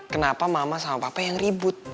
kenapa mama sama papa yang ribut